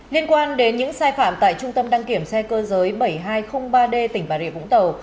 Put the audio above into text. liên quan đến những sai phạm tại trung tâm đăng kiểm xe cơ giới bảy nghìn hai trăm linh ba d tỉnh bà rịa vũng tàu